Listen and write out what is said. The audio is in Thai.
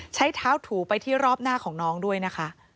ใช้เท้าถูไปที่รอบหน้าของน้องด้วยนะคะ